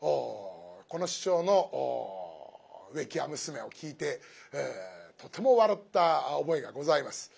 この師匠の「植木屋娘」を聴いてとても笑った覚えがございます。